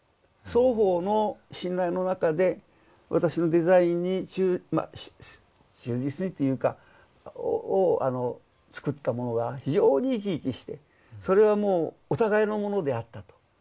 双方の信頼の中で私のデザインにまあ忠実にというかを作ったものは非常に生き生きしてそれはもうお互いのものであったと。